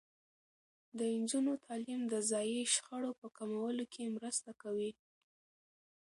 د نجونو تعلیم د ځايي شخړو په کمولو کې مرسته کوي.